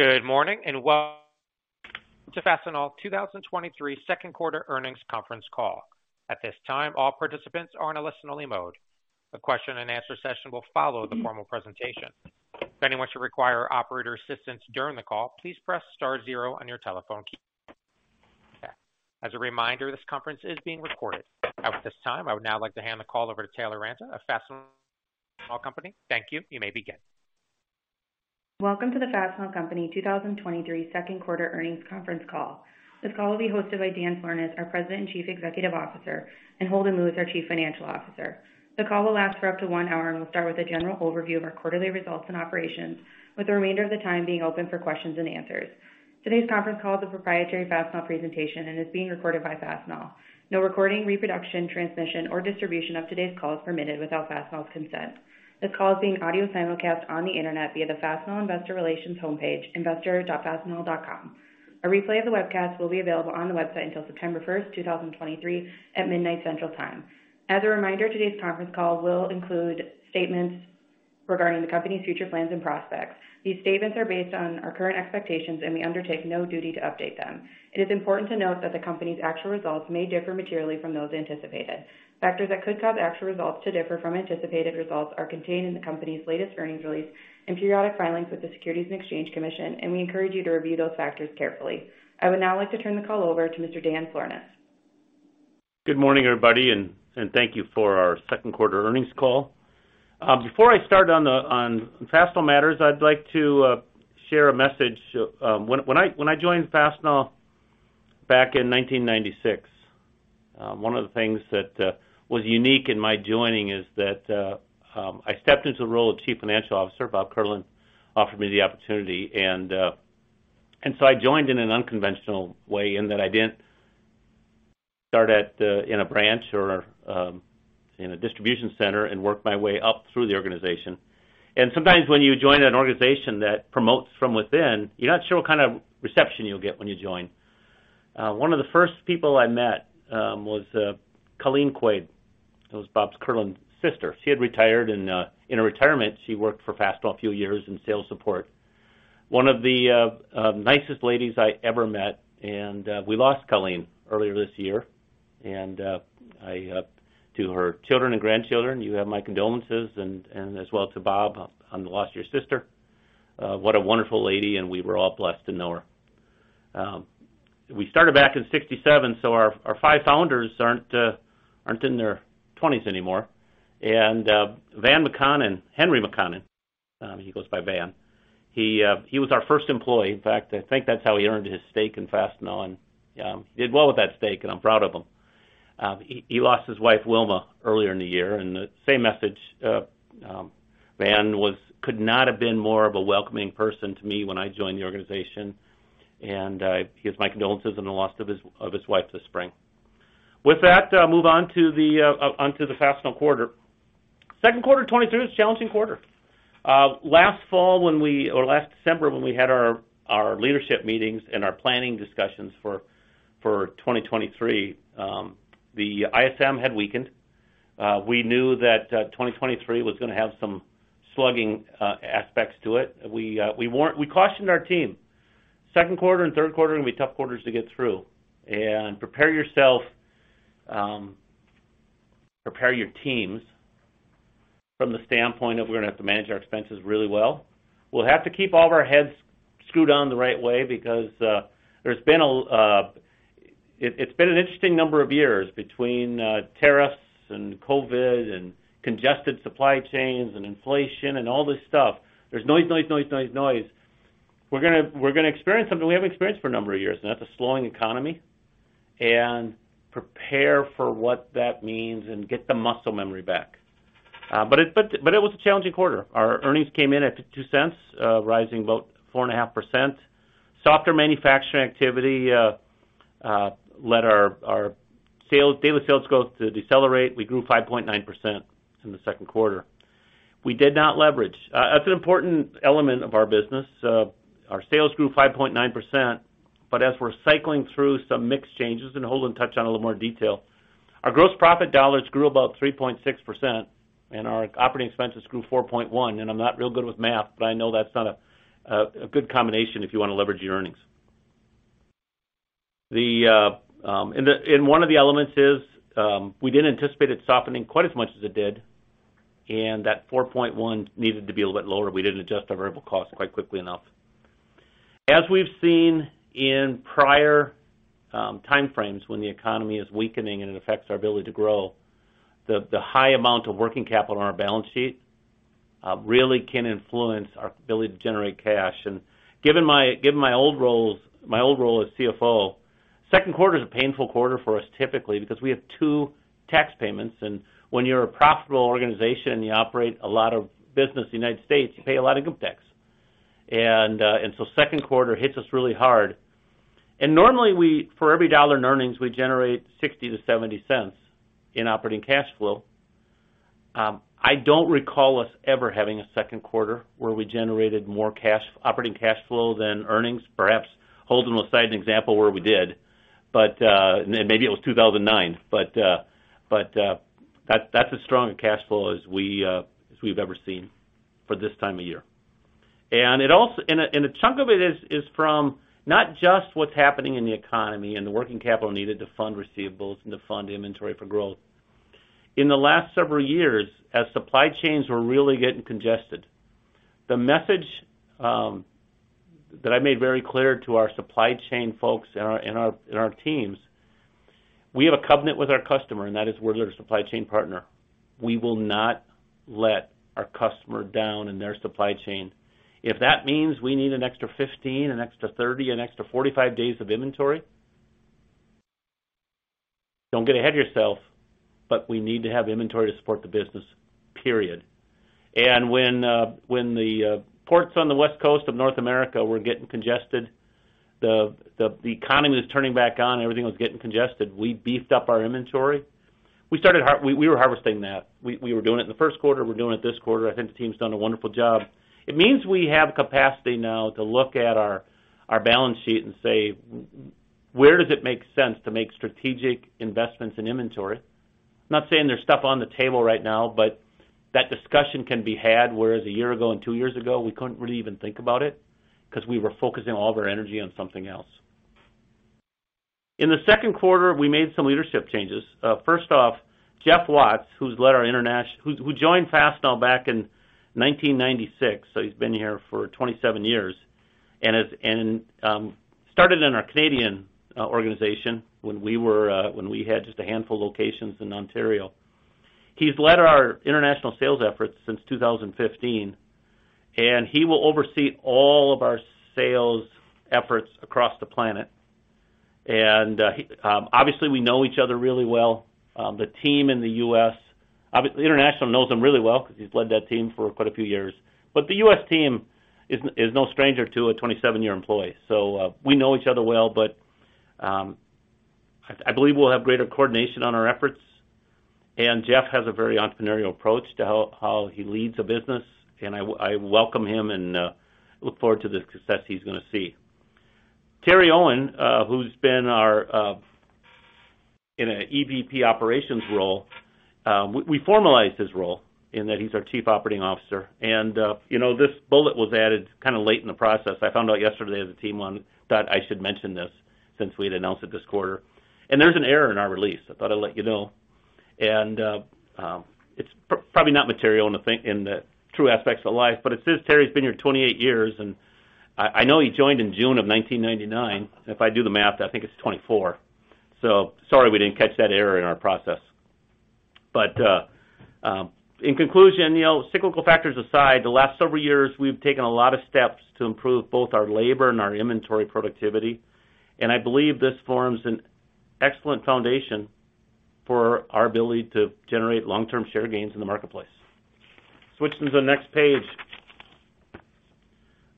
Good morning, and welcome to Fastenal 2023 Q2 Earnings Conference Call. At this time, all participants are in a listen-only mode. A question-and-answer session will follow the formal presentation. If anyone should require operator assistance during the call, please press Star 0 on your telephone key. As a reminder, this conference is being recorded. At this time, I would now like to hand the call over to Taylor Ranta, of Fastenal company. Thank you. You may begin. Welcome to the Fastenal Company 2023 Q2 Earnings Conference Call. This call will be hosted by Dan Florness, our President and Chief Executive Officer, and Holden Lewis, our Chief Financial Officer. The call will last for up to one hour. We'll start with a general overview of our quarterly results and operations, with the remainder of the time being open for questions and answers. Today's conference call is a proprietary Fastenal presentation and is being recorded by Fastenal. No recording, reproduction, transmission, or distribution of today's call is permitted without Fastenal's consent. This call is being audio simulcast on the Internet via the Fastenal Investor Relations homepage, investor.fastenal.com. A replay of the webcast will be available on the website until September 1st, 2023, at midnight Central Time. As a reminder, today's conference call will include statements regarding the company's future plans and prospects. These statements are based on our current expectations. We undertake no duty to update them. It is important to note that the company's actual results may differ materially from those anticipated. Factors that could cause actual results to differ from anticipated results are contained in the company's latest earnings release and periodic filings with the Securities and Exchange Commission. We encourage you to review those factors carefully. I would now like to turn the call over to Mr. Dan Florness. Good morning, everybody, and thank you for our Q2 earnings call. Before I start on the Fastenal matters, I'd like to share a message. When I joined Fastenal back in 1996, one of the things that was unique in my joining is that I stepped into the role of Chief Financial Officer. Bob Kierlin offered me the opportunity, and so I joined in an unconventional way in that I didn't start at in a branch or in a distribution center and work my way up through the organization. Sometimes when you join an organization that promotes from within, you're not sure what kind of reception you'll get when you join. One of the first people I met was Colleen Quaid. It was Bob Kierlin's sister. She had retired, and in her retirement, she worked for Fastenal a few years in sales support. One of the nicest ladies I ever met, we lost Colleen earlier this year. I to her children and grandchildren, you have my condolences and as well to Bob on the loss of your sister. What a wonderful lady, and we were all blessed to know her. We started back in 67, so our five founders aren't in their 20s anymore. Van McConnon, Henry McConnon, he goes by Van. He was our first employee. In fact, I think that's how he earned his stake in Fastenal, and he did well with that stake, and I'm proud of him. He lost his wife, Wilma, earlier in the year. The same message, Van could not have been more of a welcoming person to me when I joined the organization. He has my condolences on the loss of his wife this spring. With that, move on to the Fastenal quarter. Q2 2023 is a challenging quarter. Last fall, or last December, when we had our leadership meetings and our planning discussions for 2023, the ISM had weakened. We knew that 2023 was gonna have some slugging aspects to it. We cautioned our team, Q2 and Q3 are gonna be tough quarters to get through. Prepare yourself, prepare your teams from the standpoint of we're gonna have to manage our expenses really well. We'll have to keep all of our heads screwed on the right way because it's been an interesting number of years between tariffs and COVID, and congested supply chains, and inflation, and all this stuff. There's noise, noise, noise. We're gonna experience something we haven't experienced for a number of years, and that's a slowing economy, prepare for what that means and get the muscle memory back. It was a challenging quarter. Our earnings came in at $0.02, rising about 4.5%. Softer manufacturing activity led our sales, daily sales growth to decelerate. We grew 5.9% in the Q2. We did not leverage. That's an important element of our business. Our sales grew 5.9%. As we're cycling through some mix changes, and Holden will touch on a little more detail, our gross profit dollars grew about 3.6%, and our operating expenses grew 4.1%. I'm not real good with math, but I know that's not a good combination if you wanna leverage your earnings. The, and the, and one of the elements is, we didn't anticipate it softening quite as much as it did, and that 4.1% needed to be a little bit lower. We didn't adjust our variable costs quite quickly enough. As we've seen in prior time frames, when the economy is weakening and it affects our ability to grow, the high amount of working capital on our balance sheet really can influence our ability to generate cash. Given my old roles, my old role as CFO, Q2 is a painful quarter for us, typically, because we have 2 tax payments, and when you're a profitable organization and you operate a lot of business in the United States, you pay a lot of GAAP tax. Q2 hits us really hard. Normally, for every dollar in earnings, we generate $0.60-$0.70 in operating cash flow. I don't recall us ever having a Q2 where we generated more operating cash flow than earnings. Perhaps Holden will cite an example where we did, maybe it was 2009. That's a strong cash flow as we've ever seen for this time of year. It also and a chunk of it is from not just what's happening in the economy and the working capital needed to fund receivables and to fund inventory for growth. In the last several years, as supply chains were really getting congested, the message that I made very clear to our supply chain folks and our teams, we have a covenant with our customer, and that is we're their supply chain partner. We will not let our customer down in their supply chain. If that means we need an extra 15, an extra 30, an extra 45 days of inventory, don't get ahead of yourself, but we need to have inventory to support the business, period. When the ports on the West Coast of North America were getting congested, the economy was turning back on, everything was getting congested, we beefed up our inventory. We started harvesting that. We were doing it in the Q1, we're doing it this quarter. I think the team's done a wonderful job. It means we have capacity now to look at our balance sheet and say, "Where does it make sense to make strategic investments in inventory?" I'm not saying there's stuff on the table right now, but that discussion can be had, whereas a year ago and two years ago, we couldn't really even think about it because we were focusing all of our energy on something else. In the Q2, we made some leadership changes. First off, Jeff Watts, who's led our who joined Fastenal back in 1996, so he's been here for 27 years, and started in our Canadian organization when we were when we had just a handful of locations in Ontario. He's led our international sales efforts since 2015, and he will oversee all of our sales efforts across the planet. He, obviously, we know each other really well. The team in the U.S. international knows him really well because he's led that team for quite a few years. The U.S. team is no stranger to a 27-year employee. We know each other well, but I believe we'll have greater coordination on our efforts. Jeff has a very entrepreneurial approach to how he leads a business, and I welcome him and look forward to the success he's gonna see. Terry Owen, who's been our in an EVP operations role, we formalized his role in that he's our Chief Operating Officer. You know, this bullet was added kind of late in the process. I found out yesterday as a team on that I should mention this since we'd announced it this quarter. There's an error in our release. I thought I'd let you know. It's probably not material in the thing, in the true aspects of life, but it says Terry's been here 28 years, and I know he joined in June of 1999. If I do the math, I think it's 24. Sorry, we didn't catch that error in our process. In conclusion, you know, cyclical factors aside, the last several years, we've taken a lot of steps to improve both our labor and our inventory productivity. I believe this forms an excellent foundation for our ability to generate long-term share gains in the marketplace. Switching to the next page.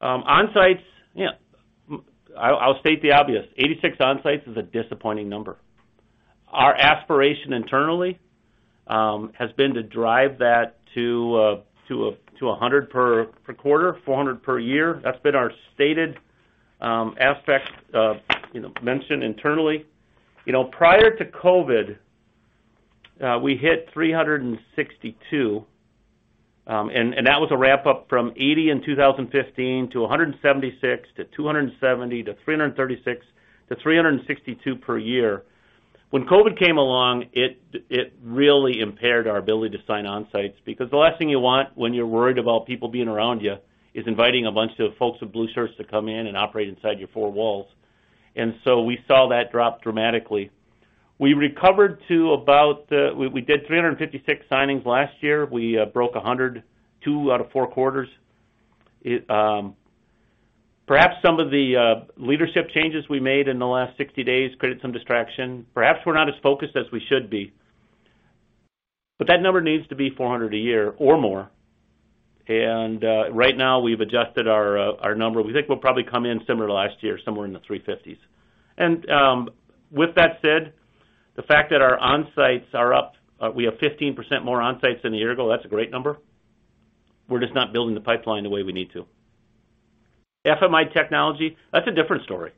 Onsites, I'll state the obvious, 86 onsites is a disappointing number. Our aspiration internally has been to drive that to a 100 per quarter, 400 per year. That's been our stated aspect, you know, mentioned internally. You know, prior to COVID, we hit 362, and that was a wrap-up from 80 in 2015, to 176, to 270, to 336, to 362 per year. When COVID came along, it really impaired our ability to sign onsites because the last thing you want when you're worried about people being around you, is inviting a bunch of folks with blue shirts to come in and operate inside your four walls. We saw that drop dramatically. We recovered to about. We did 356 signings last year. We broke 100, 2 out of 4 quarters. It perhaps some of the leadership changes we made in the last 60 days created some distraction. Perhaps we're not as focused as we should be. That number needs to be 400 a year or more. Right now we've adjusted our number. We think we'll probably come in similar to last year, somewhere in the 350s. With that said, the fact that our onsites are up, we have 15% more onsites than a year ago, that's a great number. We're just not building the pipeline the way we need to. FMI technology, that's a different story.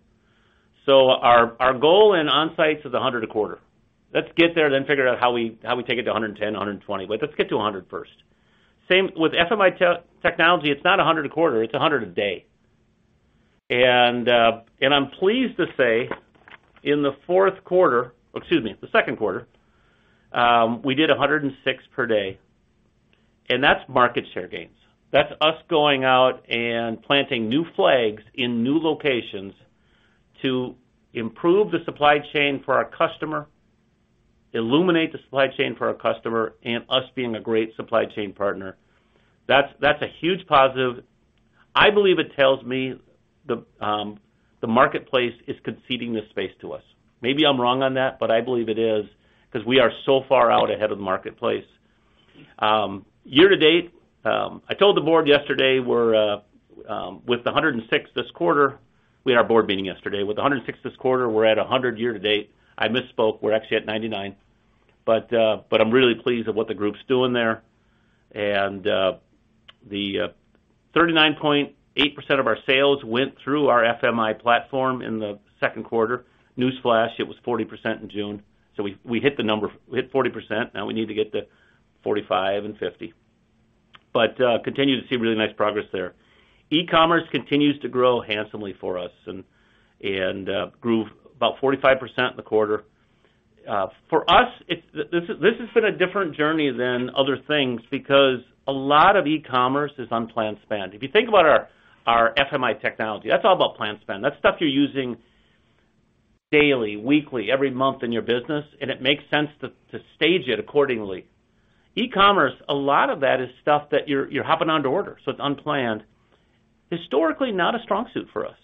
Our goal in onsites is 100 a quarter. Let's get there, then figure out how we take it to 110, 120, but let's get to 100 first. Same with FMI technology, it's not 100 a quarter, it's 100 a day. I'm pleased to say, in the quarter, excuse me, the Q2, we did 106 per day, and that's market share gains. That's us going out and planting new flags in new locations to improve the supply chain for our customer, illuminate the supply chain for our customer, and us being a great supply chain partner. That's a huge positive. I believe it tells me the marketplace is conceding this space to us. Maybe I'm wrong on that, but I believe it is, because we are so far out ahead of the marketplace. Year to date, I told the board yesterday, we're with the 106 this quarter, we had our board meeting yesterday. With the 106 this quarter, we're at 100 year to date. I misspoke, we're actually at 99. I'm really pleased at what the group's doing there. The 39.8% of our sales went through our FMI platform in the Q2. Newsflash, it was 40% in June, we hit the number. We hit 40%. Now we need to get to 45 and 50. Continue to see really nice progress there. E-commerce continues to grow handsomely for us and grew about 45% in the quarter. For us, this has been a different journey than other things because a lot of e-commerce is unplanned spend. If you think about our FMI technology, that's all about planned spend. That's stuff you're using daily, weekly, every month in your business, and it makes sense to stage it accordingly. E-commerce, a lot of that is stuff that you're hopping on to order, so it's unplanned. Historically, not a strong suit for us.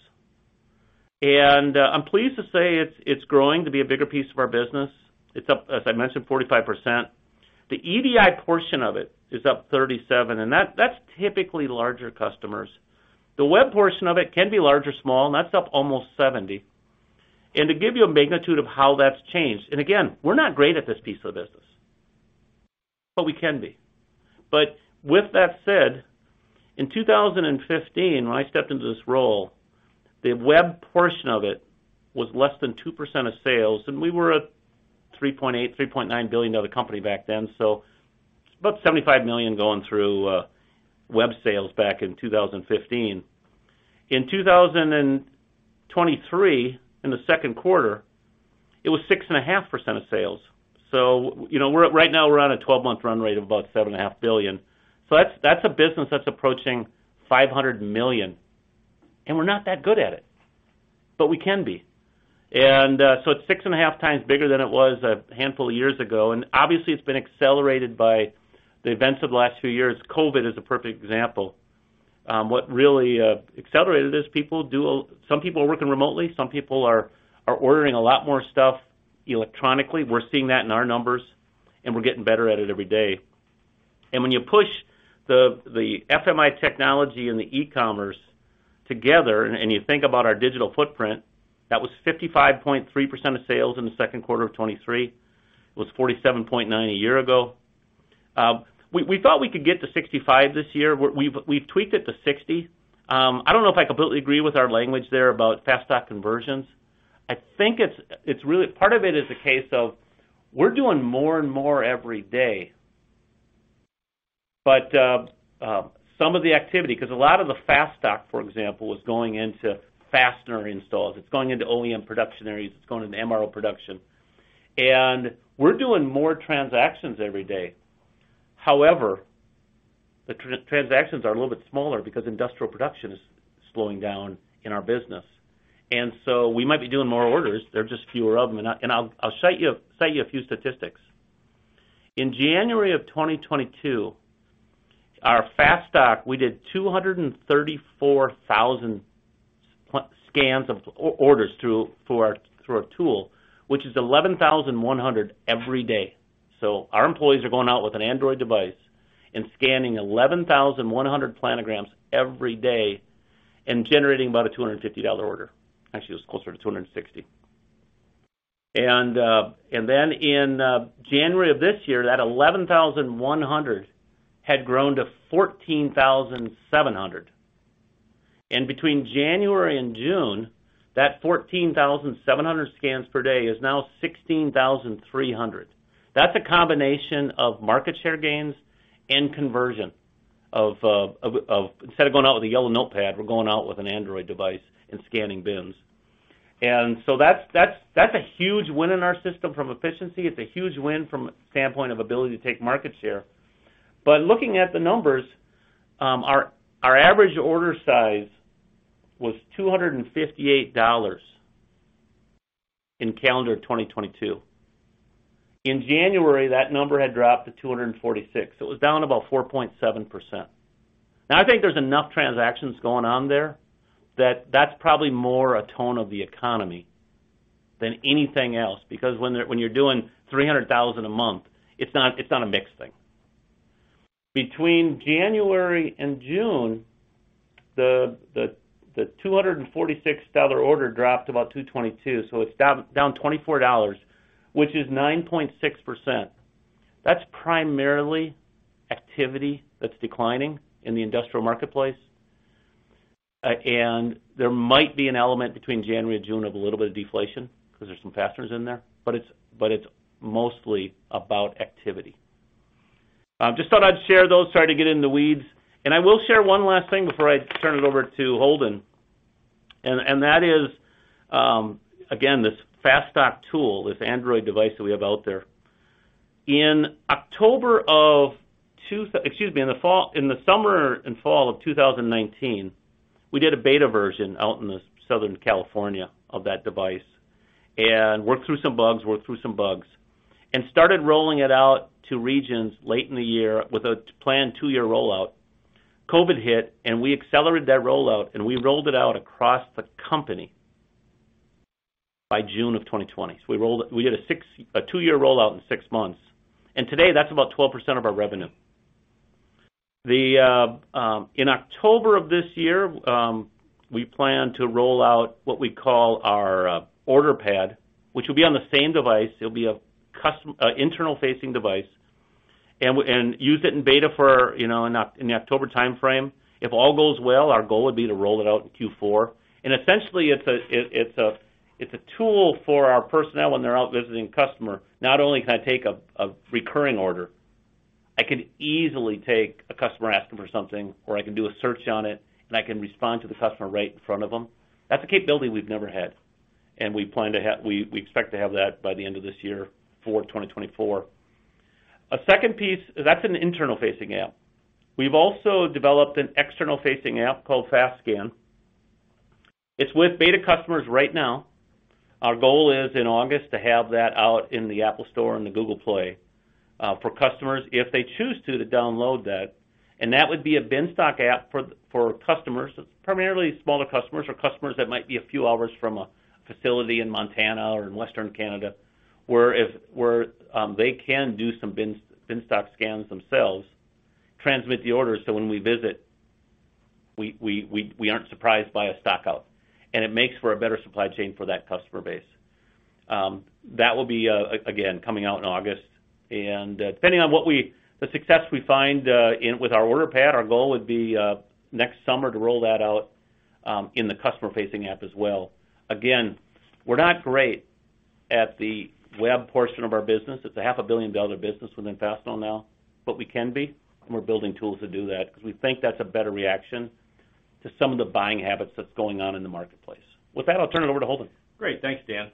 I'm pleased to say it's growing to be a bigger piece of our business. It's up, as I mentioned, 45%. The EDI portion of it is up 37%, and that's typically larger customers. The web portion of it can be large or small, and that's up almost 70%. To give you a magnitude of how that's changed, and again, we're not great at this piece of business, but we can be. With that said, in 2015, when I stepped into this role, the web portion of it was less than 2% of sales, and we were a $3.8 billion-$3.9 billion company back then, so about $75 million going through web sales back in 2015. In 2023, in the Q2, it was 6.5% of sales. You know, we're at, right now, we're on a 12-month run rate of about $7.5 billion. That's, that's a business that's approaching $500 million, and we're not that good at it, but we can be. It's 6 and a half times bigger than it was a handful of years ago, and obviously, it's been accelerated by the events of the last few years. COVID is a perfect example. What really accelerated is people. Some people are working remotely, some people are ordering a lot more stuff electronically. We're seeing that in our numbers, and we're getting better at it every day. When you push the FMI technology and the e-commerce together, and you think about our digital footprint, that was 55.3% of sales in the Q2 of 2023. It was 47.9% a year ago. We thought we could get to 65% this year. We've tweaked it to 60%. I don't know if I completely agree with our language there about FASTStock conversions. I think it's really part of it is a case of we're doing more and more every day, some of the activity, because a lot of the FASTStock, for example, is going into fastener installs, it's going into OEM production areas, it's going into MRO production. We're doing more transactions every day. However, the transactions are a little bit smaller because industrial production is slowing down in our business. We might be doing more orders, there are just fewer of them. I'll cite you a few statistics. In January of 2022, our FASTStock, we did 234,000 scans of orders through our tool, which is 11,100 every day. Our employees are going out with an Android device and scanning 11,100 planograms every day and generating about a $250 order. Actually, it was closer to $260. In January of this year, that 11,100 had grown to 14,700. Between January and June, that 14,700 scans per day is now 16,300. That's a combination of market share gains and conversion of instead of going out with a yellow notepad, we're going out with an Android device and scanning bins. That's a huge win in our system from efficiency. It's a huge win from a standpoint of ability to take market share. Looking at the numbers, our average order size was $258 in calendar 2022. In January, that number had dropped to $246. It was down about 4.7%. I think there's enough transactions going on there that that's probably more a tone of the economy than anything else, because when you're doing $300,000 a month, it's not a mixed thing. Between January and June, the $246 order dropped to about $222, it's down $24, which is 9.6%. That's primarily activity that's declining in the industrial marketplace. There might be an element between January and June of a little bit of deflation because there's some fasteners in there, but it's mostly about activity. Just thought I'd share those, sorry to get in the weeds. I will share one last thing before I turn it over to Holden, and that is, again, this FastStock tool, this Android device that we have out there. Excuse me, in the summer and fall of 2019, we did a beta version out in the Southern California of that device and worked through some bugs, and started rolling it out to regions late in the year with a planned 2-year rollout. COVID hit, we accelerated that rollout, and we rolled it out across the company by June of 2020. We did a 2-year rollout in 6 months, and today, that's about 12% of our revenue. In October of this year, we plan to roll out what we call our order pad, which will be on the same device. It'll be a custom internal-facing device, and use it in beta for, you know, in the October time frame. If all goes well, our goal would be to roll it out in Q4. Essentially, it's a tool for our personnel when they're out visiting customer. Not only can I take a recurring order, I can easily take a customer asking for something, or I can do a search on it, and I can respond to the customer right in front of them. That's a capability we've never had, and we expect to have that by the end of this year for 2024. A second piece, that's an internal-facing app. We've also developed an external-facing app called FASTScan. It's with beta customers right now. Our goal is, in August, to have that out in the App Store and the Google Play for customers, if they choose to download that. That would be a bin stock app for customers, primarily smaller customers or customers that might be a few hours from a facility in Montana or in Western Canada, where they can do some bin stock scans themselves, transmit the order, so when we visit, we aren't surprised by a stock out. It makes for a better supply chain for that customer base. That will be again coming out in August. Depending on the success we find in with our order pad, our goal would be next summer to roll that out in the customer-facing app as well. Again, we're not great at the web portion of our business. It's a half a billion dollar business within Fastenal now, but we can be, and we're building tools to do that because we think that's a better reaction to some of the buying habits that's going on in the marketplace. With that, I'll turn it over to Holden. Great. Thanks, Dan.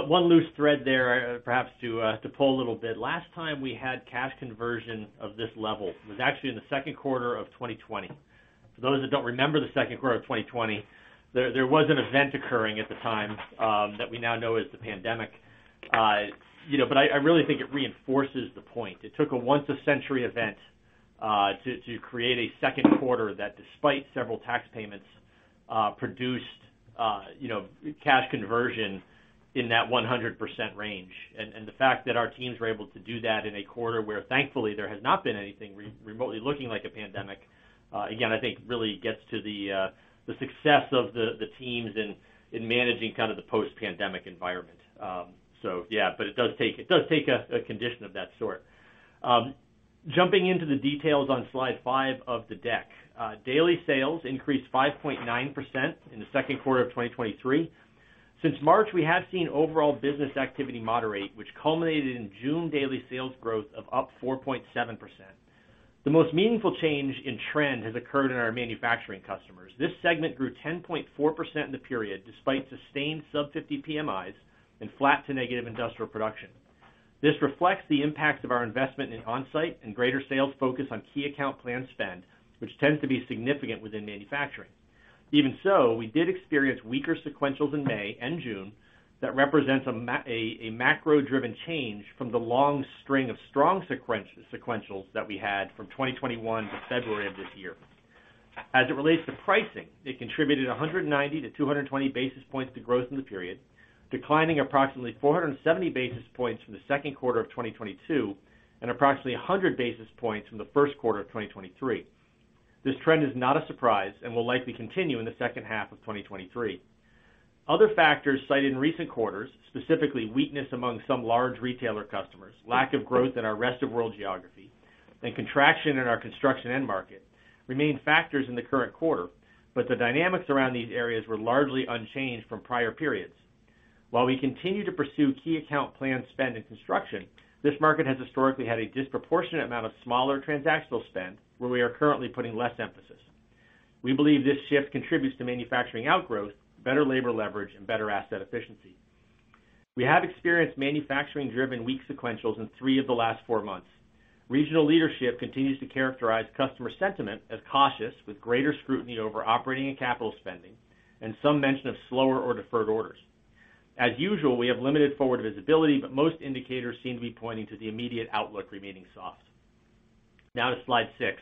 One loose thread there, perhaps to pull a little bit. Last time we had cash conversion of this level was actually in the Q2 of 2020. For those that don't remember the Q2 of 2020, there was an event occurring at the time that we now know as the pandemic. You know, but I really think it reinforces the point. It took a once-a-century event to create a Q2 that, despite several tax payments, produced, you know, cash conversion in that 100% range. The fact that our teams were able to do that in a quarter where, thankfully, there has not been anything remotely looking like a pandemic, again, I think really gets to the success of the teams in managing kind of the post-pandemic environment. Yeah, but it does take a condition of that sort. Jumping into the details on slide 5 of the deck. Daily sales increased 5.9% in the Q2 of 2023. Since March, we have seen overall business activity moderate, which culminated in June daily sales growth of up 4.7%. The most meaningful change in trend has occurred in our manufacturing customers. This segment grew 10.4% in the period, despite sustained sub 50 PMIs and flat to negative industrial production. This reflects the impact of our investment in on-site and greater sales focus on key account plan spend, which tends to be significant within manufacturing. Even so, we did experience weaker sequentials in May and June that represents a macro-driven change from the long string of strong sequentials that we had from 2021 to February of this year. As it relates to pricing, it contributed 190-220 basis points to growth in the period, declining approximately 470 basis points from the Q2 of 2022, and approximately 100 basis points from the Q1 of 2023. This trend is not a surprise and will likely continue in the second half of 2023. Other factors cited in recent quarters, specifically weakness among some large retailer customers, lack of growth in our rest-of-world geography, and contraction in our construction end market, remain factors in the current quarter, but the dynamics around these areas were largely unchanged from prior periods. While we continue to pursue key account plan spend in construction, this market has historically had a disproportionate amount of smaller transactional spend, where we are currently putting less emphasis. We believe this shift contributes to manufacturing outgrowth, better labor leverage, and better asset efficiency. We have experienced manufacturing-driven weak sequentials in three of the last four months. Regional leadership continues to characterize customer sentiment as cautious, with greater scrutiny over operating and capital spending, and some mention of slower or deferred orders. As usual, we have limited forward visibility, but most indicators seem to be pointing to the immediate outlook remaining soft. Now to slide 6.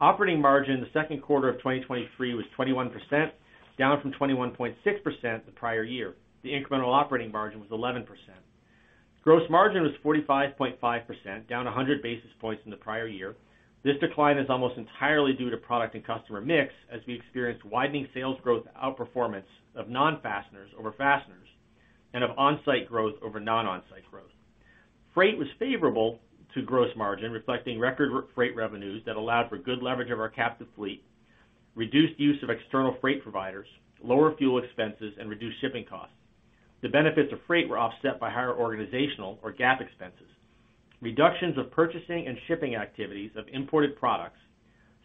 Operating margin in the Q2 of 2023 was 21%, down from 21.6% the prior year. The incremental operating margin was 11%. Gross margin was 45.5%, down 100 basis points in the prior year. This decline is almost entirely due to product and customer mix, as we experienced widening sales growth outperformance of non-fasteners over fasteners and of on-site growth over non-on-site growth. Freight was favorable to gross margin, reflecting record freight revenues that allowed for good leverage of our captive fleet, reduced use of external freight providers, lower fuel expenses, and reduced shipping costs. The benefits of freight were offset by higher organizational or GAAP expenses. Reductions of purchasing and shipping activities of imported products,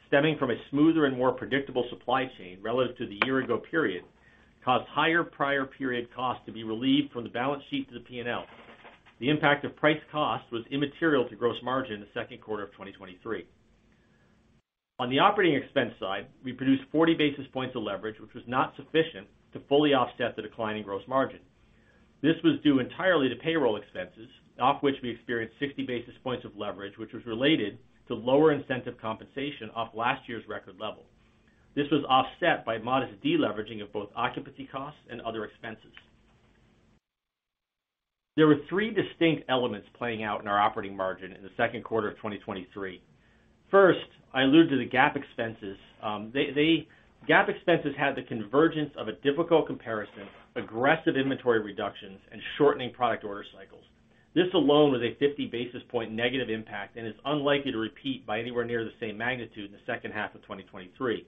stemming from a smoother and more predictable supply chain relative to the year ago period, caused higher prior period costs to be relieved from the balance sheet to the P&L. The impact of price cost was immaterial to gross margin in the Q2 of 2023. On the operating expense side, we produced 40 basis points of leverage, which was not sufficient to fully offset the decline in gross margin. This was due entirely to payroll expenses, off which we experienced 60 basis points of leverage, which was related to lower incentive compensation off last year's record level. This was offset by modest deleveraging of both occupancy costs and other expenses. There were three distinct elements playing out in our operating margin in the Q2 of 2023. First, I alluded to the GAAP expenses. They, GAAP expenses had the convergence of a difficult comparison, aggressive inventory reductions, and shortening product order cycles. This alone was a 50 basis point negative impact and is unlikely to repeat by anywhere near the same magnitude in the second half of 2023.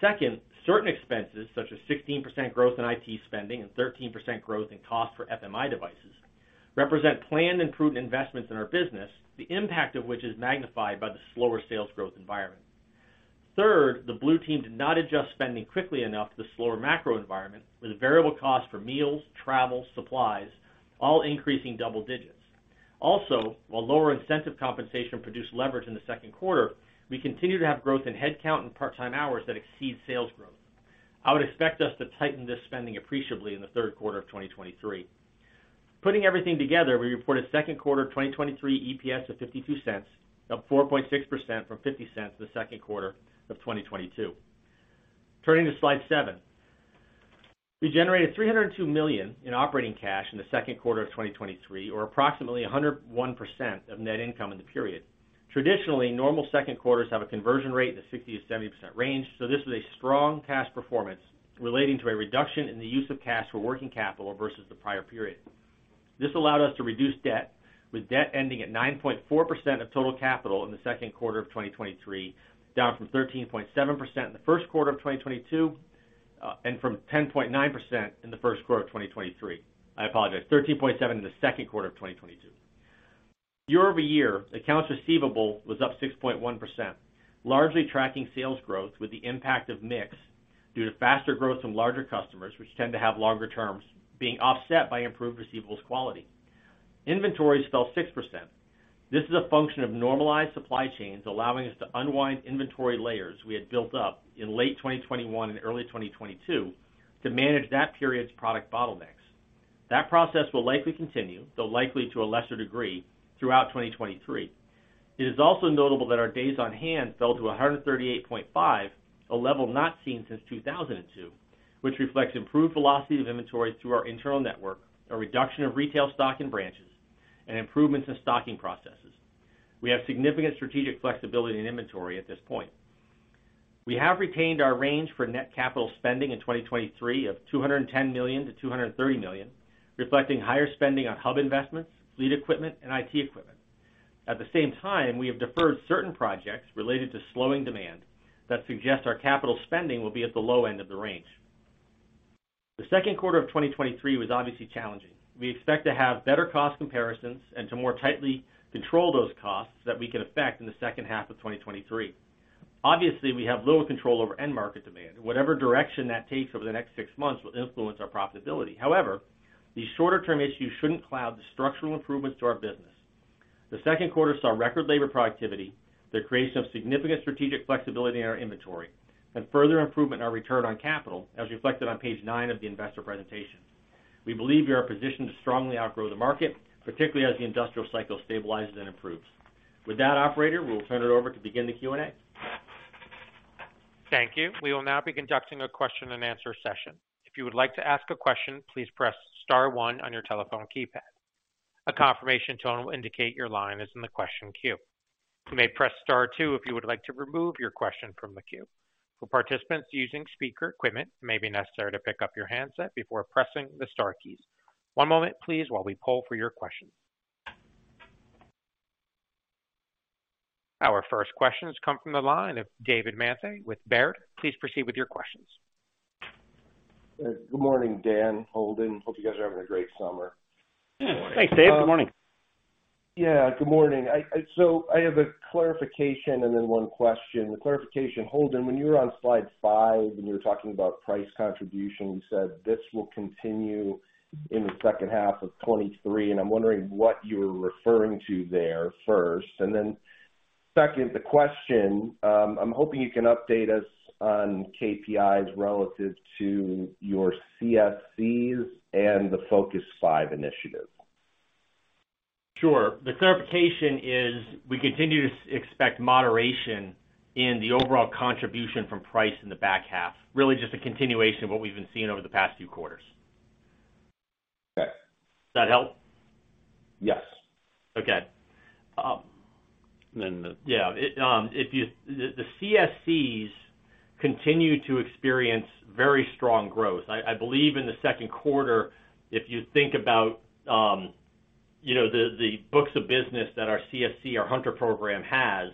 Second, certain expenses, such as 16% growth in IT spending and 13% growth in cost for FMI devices, represent planned improved investments in our business, the impact of which is magnified by the slower sales growth environment. Third, the blue team did not adjust spending quickly enough to the slower macro environment, with variable costs for meals, travel, supplies, all increasing double digits. Also, while lower incentive compensation produced leverage in the Q2, we continue to have growth in headcount and part-time hours that exceed sales growth. I would expect us to tighten this spending appreciably in the Q3 of 2023. Putting everything together, we reported Q2 2023 EPS of $0.52, up 4.6% from $0.50 the Q2 of 2022. Turning to Slide 7. We generated $302 million in operating cash in the Q2 of 2023, or approximately 101% of net income in the period. Traditionally, normal Q2s have a conversion rate in the 60%-70% range, so this is a strong cash performance relating to a reduction in the use of cash for working capital versus the prior period. This allowed us to reduce debt, with debt ending at 9.4% of total capital in the Q2 of 2023, down from 13.7% in the Q1 of 2022, and from 10.9% in the Q1 of 2023. I apologize, 13.7% in the Q2 of 2022. Year-over-year, accounts receivable was up 6.1%, largely tracking sales growth with the impact of mix due to faster growth from larger customers, which tend to have longer terms, being offset by improved receivables quality. Inventories fell 6%. This is a function of normalized supply chains, allowing us to unwind inventory layers we had built up in late 2021 and early 2022 to manage that period's product bottlenecks. That process will likely continue, though likely to a lesser degree, throughout 2023. It is also notable that our days on hand fell to 138.5, a level not seen since 2002, which reflects improved velocity of inventory through our internal network, a reduction of retail stock in branches, and improvements in stocking processes. We have significant strategic flexibility in inventory at this point. We have retained our range for net capital spending in 2023 of $210 million-$230 million, reflecting higher spending on hub investments, fleet equipment, and IT equipment. The same time, we have deferred certain projects related to slowing demand that suggest our capital spending will be at the low end of the range. The Q2 of 2023 was obviously challenging. We expect to have better cost comparisons and to more tightly control those costs that we can affect in the second half of 2023. Obviously, we have little control over end market demand. Whatever direction that takes over the next six months will influence our profitability. However, these shorter-term issues shouldn't cloud the structural improvements to our business. The Q2 saw record labor productivity, the creation of significant strategic flexibility in our inventory, and further improvement in our return on capital, as reflected on page nine of the investor presentation. We believe we are positioned to strongly outgrow the market, particularly as the industrial cycle stabilizes and improves. With that, operator, we'll turn it over to begin the Q&A. Thank you. We will now be conducting a question-and-answer session. If you would like to ask a question, please press Star 1 on your telephone keypad. A confirmation tone will indicate your line is in the question queue. You may press Star 2 if you would like to remove your question from the queue. For participants using speaker equipment, it may be necessary to pick up your handset before pressing the star keys. One moment, please, while we poll for your question. Our first question has come from the line of David Manthey with Baird. Please proceed with your questions. Good morning, Dan, Holden. Hope you guys are having a great summer. Thanks, David. Good morning. Good morning. I have a clarification and then one question. The clarification, Holden, when you were on slide 5, and you were talking about price contribution, you said this will continue in the second half of 2023, and I'm wondering what you're referring to there first. Second, the question, I'm hoping you can update us on KPIs relative to your CFCs and the Focus 5 initiative. Sure. The clarification is we continue to expect moderation in the overall contribution from price in the back half. Really, just a continuation of what we've been seeing over the past few quarters. Okay. Does that help? Yes. Okay. The CFCs continue to experience very strong growth. I believe in the Q2, if you think about, you know, the books of business that our CFC, our hunter program has,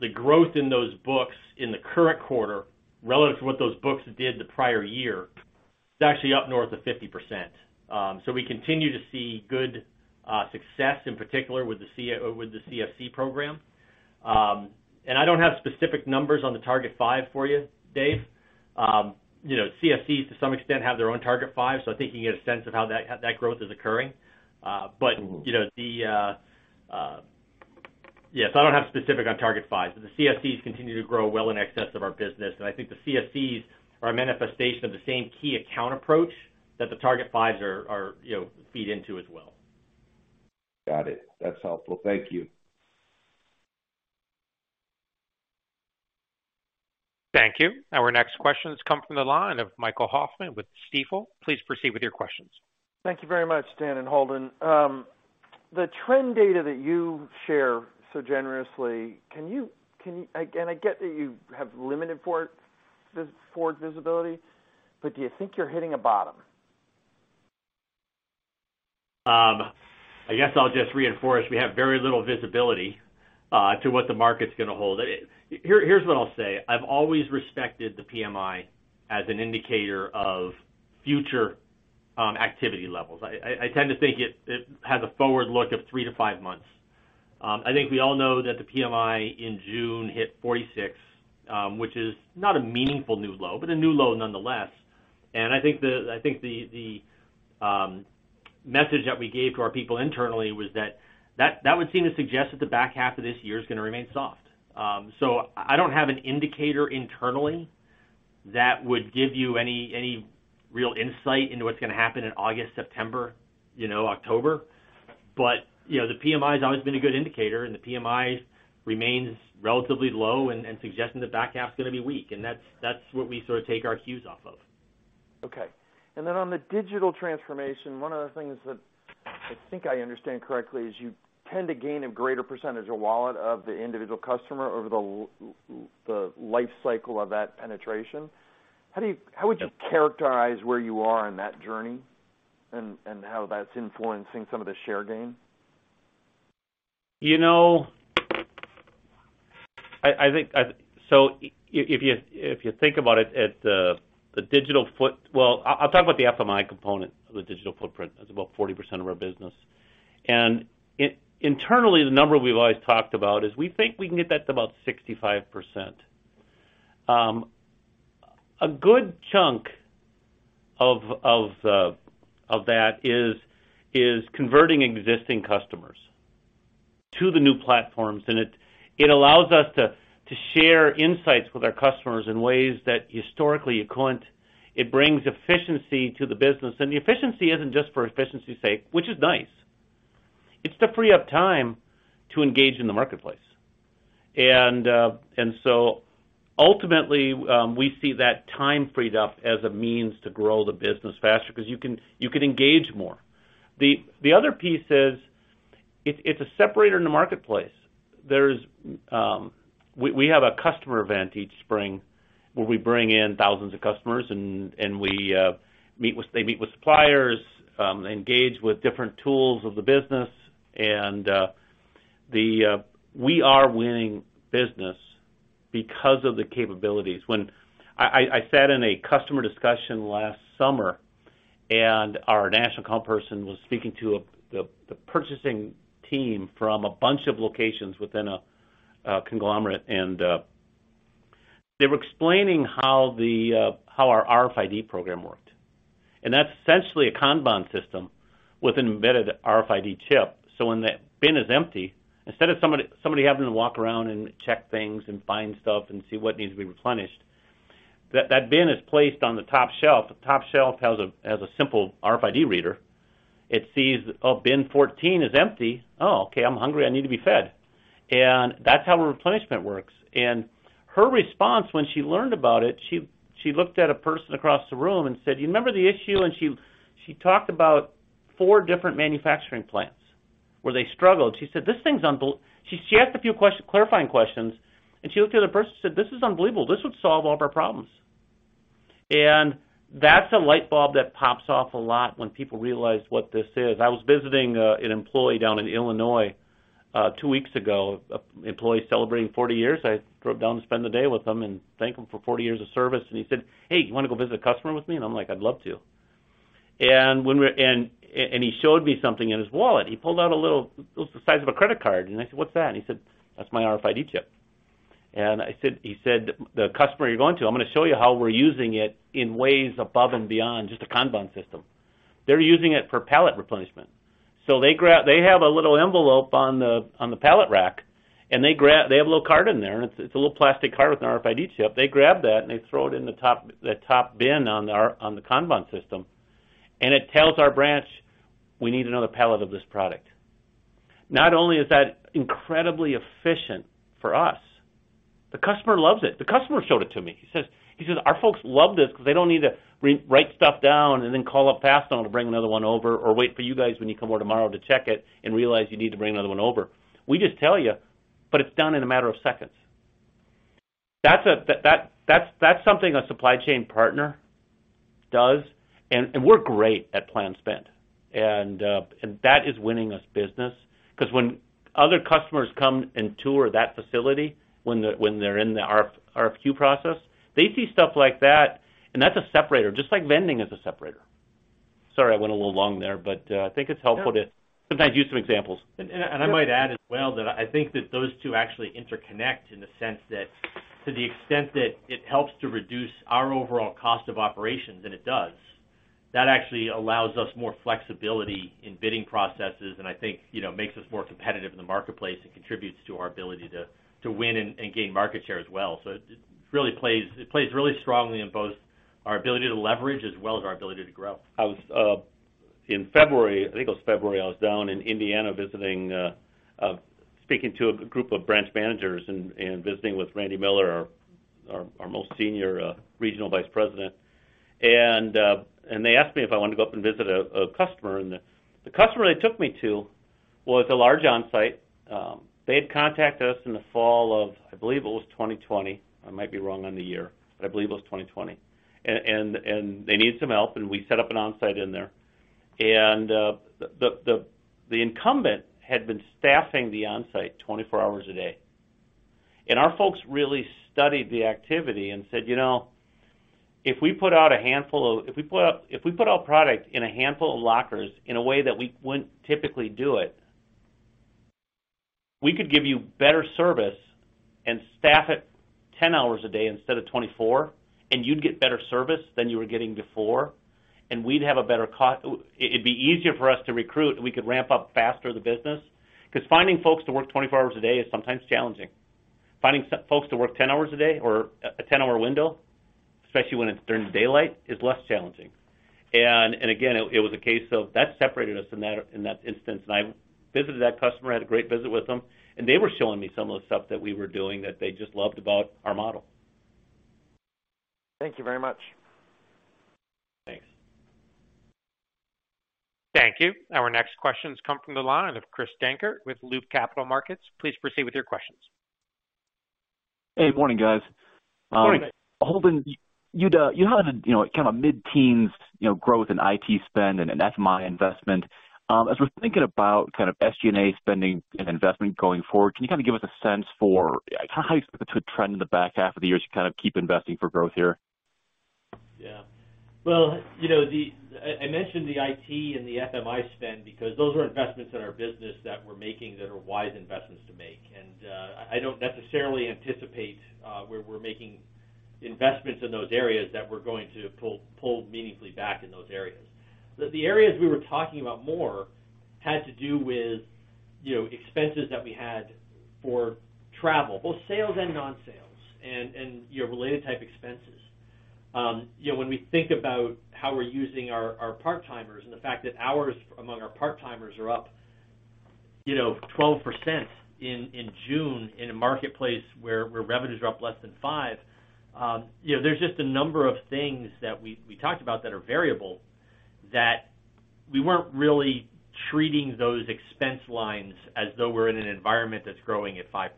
the growth in those books in the current quarter, relative to what those books did the prior year, is actually up north of 50%. We continue to see good success, in particular with the CFC program. I don't have specific numbers on the Target 5 for you, David. You know, CFCs, to some extent, have their own Target 5, I think you can get a sense of how that, how that growth is occurring. But you know, Yes, I don't have specific on Target 5, but the CFCs continue to grow well in excess of our business, and I think the CFCs are a manifestation of the same key account approach that the Target Fives are, you know, feed into as well. Got it. That's helpful. Thank you. Thank you. Our next question has come from the line of Michael Hoffman with Stifel. Please proceed with your questions. Thank you very much, Dan and Holden. The trend data that you share so generously, can you. I get that you have limited forward visibility, but do you think you're hitting a bottom? I guess I'll just reinforce, we have very little visibility to what the market's gonna hold. Here's what I'll say: I've always respected the PMI as an indicator of future activity levels. I tend to think it has a forward look of three to five months. I think we all know that the PMI in June hit 46, which is not a meaningful new low, but a new low nonetheless. I think the message that we gave to our people internally was that would seem to suggest that the back half of this year is gonna remain soft. I don't have an indicator internally that would give you any real insight into what's gonna happen in August, September, you know, October. You know, the PMI's always been a good indicator, and the PMI remains relatively low and suggesting the back half's gonna be weak. That's what we sort of take our cues off of. Okay. On the digital transformation, one of the things that I think I understand correctly is you tend to gain a greater % of wallet of the individual customer over the life cycle of that penetration. Yes. How would you characterize where you are in that journey and how that's influencing some of the share gain? You know, Well, I'll talk about the FMI component of the digital footprint. That's about 40% of our business. Internally, the number we've always talked about is we think we can get that to about 65%. A good chunk of that is converting existing customers to the new platforms, and it allows us to share insights with our customers in ways that historically you couldn't. It brings efficiency to the business, and the efficiency isn't just for efficiency's sake, which is nice. It's to free up time to engage in the marketplace. Ultimately, we see that time freed up as a means to grow the business faster because you can engage more. The other piece is, it's a separator in the marketplace. There's. We have a customer event each spring, where we bring in thousands of customers and we meet with, they meet with suppliers, engage with different tools of the business, and we are winning business because of the capabilities. I sat in a customer discussion last summer, our national account person was speaking to the purchasing team from a bunch of locations within a conglomerate, and they were explaining how our RFID program worked. That's essentially a Kanban system with an embedded RFID chip. When that bin is empty, instead of somebody having to walk around and check things and find stuff and see what needs to be replenished, that bin is placed on the top shelf. The top shelf has a simple RFID reader. It sees, bin 14 is empty. I'm hungry, I need to be fed. That's how the replenishment works. Her response when she learned about it, she looked to a person across the room and said: "You remember the issue?" She talked about four different manufacturing plants where they struggled. She said. She asked a few questions, clarifying questions, and she looked at the person and said, "This is unbelievable. This would solve all of our problems." That's a light bulb that pops off a lot when people realize what this is. I was visiting an employee down in Illinois 2 weeks ago, an employee celebrating 40 years. I drove down to spend the day with him and thank him for 40 years of service. He said, "Hey, you wanna go visit a customer with me?" I'm like, I'd love to. He showed me something in his wallet. He pulled out a little, it was the size of a credit card. I said, "What's that?" He said, "That's my RFID chip." He said, "The customer you're going to, I'm gonna show you how we're using it in ways above and beyond just a Kanban system." They're using it for pallet replenishment. They have a little envelope on the pallet rack, and they have a little card in there, and it's a little plastic card with an RFID chip. They grab that, and they throw it in the top bin on the Kanban system, and it tells our branch, we need another pallet of this product. Not only is that incredibly efficient for us, the customer loves it. The customer showed it to me. He says, "Our folks love this because they don't need to write stuff down and then call up Fastenal to bring another one over or wait for you guys when you come over tomorrow to check it and realize you need to bring another one over. We just tell you, but it's done in a matter of seconds." That's a, that's something a supply chain partner does, and we're great at plan spend. That is winning us business, because when other customers come and tour that facility, when they're in the RFQ process, they see stuff like that, and that's a separator, just like vending is a separator. Sorry, I went a little long there, but I think it's helpful to sometimes use some examples. I might add as well that I think that those two actually interconnect in the sense that to the extent that it helps to reduce our overall cost of operations, and it does, that actually allows us more flexibility in bidding processes, and I think, you know, makes us more competitive in the marketplace and contributes to our ability to win and gain market share as well. It really plays, it plays really strongly in both our ability to leverage as well as our ability to grow. In February, I think it was February, I was down in Indiana visiting, speaking to a group of branch managers and visiting with Randall Miller, our most senior Regional Vice President. They asked me if I wanted to go up and visit a customer, and the customer they took me to was a large on-site. They had contacted us in the fall of, I believe it was 2020. I might be wrong on the year, but I believe it was 2020. They needed some help, and we set up an on-site in there. The incumbent had been staffing the on-site 24 hours a day. Our folks really studied the activity and said, "You know, if we put out a handful of, if we put our product in a handful of lockers in a way that we wouldn't typically do it, we could give you better service and staff it 10 hours a day instead of 24, and you'd get better service than you were getting before, and we'd have a better. It'd be easier for us to recruit, and we could ramp up faster the business." Because finding folks to work 24 hours a day is sometimes challenging. Finding folks to work 10 hours a day or a 10-hour window, especially when it's during the daylight, is less challenging. Again, it was a case of that separated us in that instance. I visited that customer, had a great visit with them, and they were showing me some of the stuff that we were doing that they just loved about our model. Thank you very much. Thanks. Thank you. Our next question has come from the line of Chris Dankert with Loop Capital Markets. Please proceed with your questions. Hey, morning, guys. Morning. Holden, you'd, you had a, you know, kind of mid-teens, you know, growth in IT spend and an FMI investment. As we're thinking about kind of SG&A spending and investment going forward, can you kind of give us a sense for how you expect it to trend in the back half of the year as you kind of keep investing for growth here? Well, you know, the, I mentioned the IT and the FMI spend because those are investments in our business that we're making that are wise investments to make. I don't necessarily anticipate where we're making investments in those areas that we're going to pull meaningfully back in those areas. The, the areas we were talking about more had to do with, you know, expenses that we had for travel, both sales and non-sales, and, you know, related type expenses. You know, when we think about how we're using our part-timers and the fact that hours among our part-timers are up, you know, 12% in June, in a marketplace where revenues are up less than 5%, you know, there's just a number of things that we talked about that are variable, that we weren't really treating those expense lines as though we're in an environment that's growing at 5%.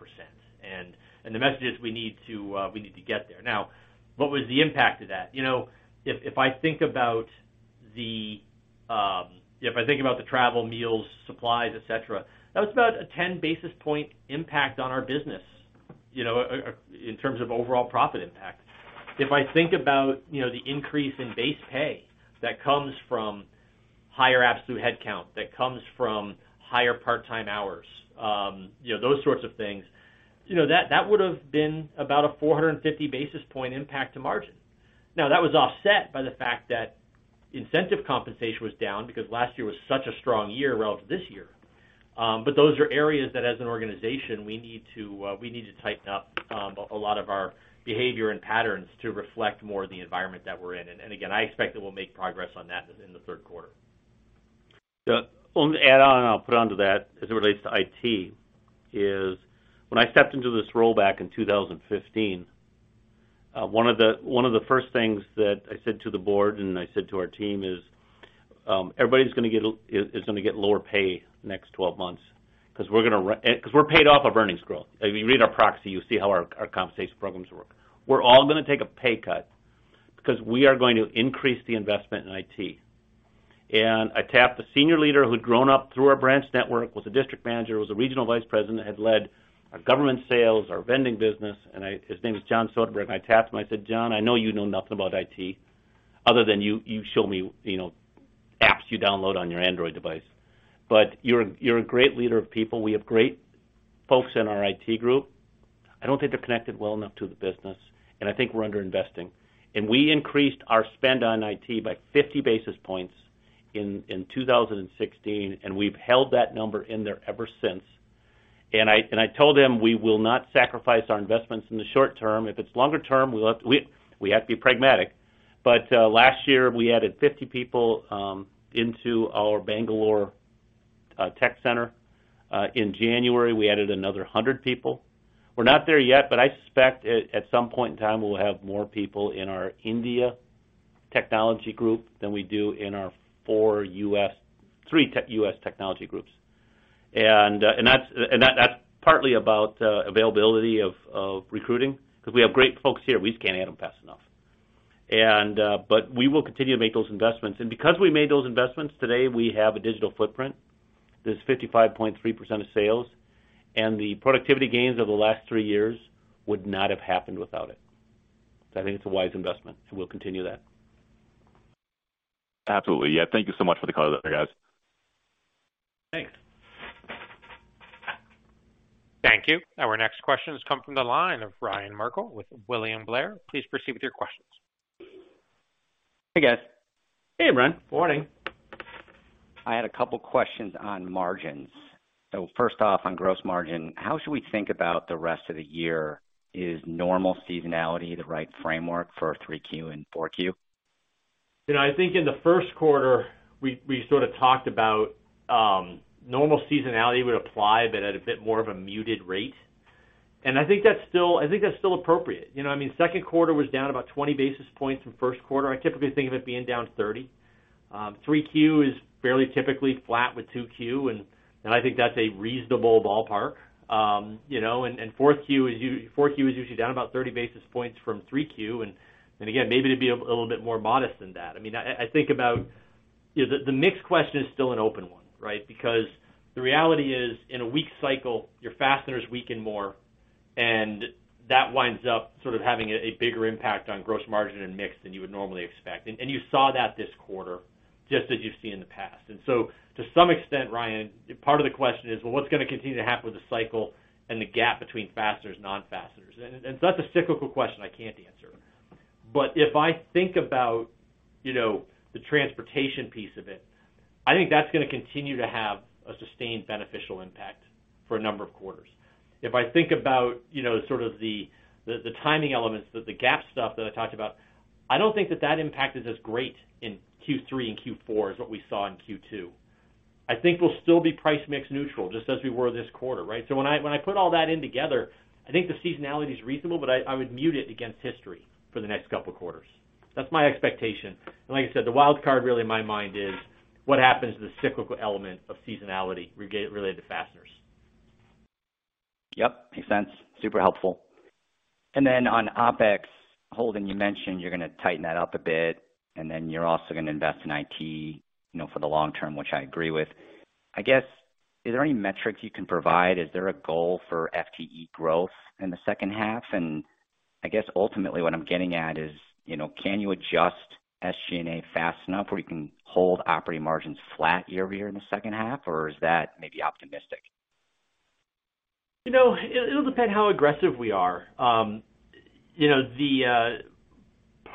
The message is we need to get there. Now, what was the impact of that? You know, if I think about the, if I think about the travel, meals, supplies, et cetera, that was about a 10 basis point impact on our business, you know, in terms of overall profit impact. If I think about, you know, the increase in base pay that comes from higher absolute headcount, that comes from higher part-time hours, you know, those sorts of things, you know, that would have been about a 450 basis point impact to margin. That was offset by the fact that incentive compensation was down because last year was such a strong year relative to this year. But those are areas that, as an organization, we need to tighten up a lot of our behavior and patterns to reflect more of the environment that we're in. Again, I expect that we'll make progress on that in the Q3. Yeah. Only to add on, and I'll put onto that as it relates to IT, is when I stepped into this role back in 2015, one of the first things that I said to the board and I said to our team is: Everybody's going to get lower pay the next 12 months. We're paid off of earnings growth. If you read our proxy, you'll see how our compensation programs work. We're all going to take a pay cut because we are going to increase the investment in IT. I tapped a senior leader who'd grown up through our branch network, was a district manager, was a regional vice president, had led our government sales, our vending business. His name is John Soderberg, and I tapped him, and I said: "John, I know you know nothing about IT, other than you show me, you know, apps you download on your Android device. You're a great leader of people. We have great folks in our IT group. I don't think they're connected well enough to the business, and I think we're underinvesting." We increased our spend on IT by 50 basis points in 2016, and we've held that number in there ever since. I told them: We will not sacrifice our investments in the short term. If it's longer term, we'll have to, we have to be pragmatic. Last year, we added 50 people into our Bangalore tech center. In January, we added another 100 people. We're not there yet, but I suspect at some point in time, we'll have more people in our India technology group than we do in our 4 US technology groups. That's, and that's partly about availability of recruiting, because we have great folks here. We just can't add them fast enough. But we will continue to make those investments. Because we made those investments, today we have a digital footprint that's 55.3% of sales, and the productivity gains over the last 3 years would not have happened without it. I think it's a wise investment, so we'll continue that. Absolutely. Yeah. Thank you so much for the color there, guys. Thanks. Thank you. Our next question has come from the line of Ryan Merkel with William Blair. Please proceed with your questions. Hey, guys. Hey, Ryan. Good morning. I had a couple questions on margins. First off, on gross margin, how should we think about the rest of the year? Is normal seasonality the right framework for Q3 and Q4? You know, I think in the Q1, we sort of talked about normal seasonality would apply, but at a bit more of a muted rate. I think that's still appropriate. You know, I mean, Q2 was down about 20 basis points from Q1. I typically think of it being down 30. Q3 is fairly typically flat with Q2, and I think that's a reasonable ballpark. You know, Q4 is usually down about 30 basis points from Q3. Again, maybe it'd be a little bit more modest than that. I mean, I think about, you know, the mix question is still an open one, right? The reality is, in a weak cycle, your fasteners weaken more, and that winds up sort of having a bigger impact on gross margin and mix than you would normally expect. You saw that this quarter, just as you've seen in the past. To some extent, Ryan, part of the question is, well, what's gonna continue to happen with the cycle and the gap between fasteners, non-fasteners? That's a cyclical question I can't answer. If I think about, you know, the transportation piece of it, I think that's gonna continue to have a sustained beneficial impact for a number of quarters. If I think about, you know, sort of the timing elements, the gap stuff that I talked about, I don't think that that impact is as great in Q3 and Q4 as what we saw in Q2. I think we'll still be price mix neutral, just as we were this quarter, right? When I put all that in together, I think the seasonality is reasonable, but I would mute it against history for the next couple of quarters. That's my expectation. Like I said, the wild card, really, in my mind, is what happens to the cyclical element of seasonality related to fasteners. Yep, makes sense. Super helpful. Then on OpEx, Holden, you mentioned you're gonna tighten that up a bit, and then you're also gonna invest in IT, you know, for the long term, which I agree with. I guess, is there any metrics you can provide? Is there a goal for FTE growth in the second half? I guess ultimately what I'm getting at is, you know, can you adjust SG&A fast enough where you can hold operating margins flat year-over-year in the second half, or is that maybe optimistic? You know, it'll depend how aggressive we are. You know, the part